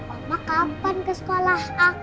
mama kapan ke sekolah aku